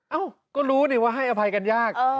เอ้าก็รู้ดิว่าให้อภัยกันยาก